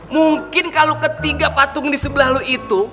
mungkin kalau ketiga patung di sebelah lu itu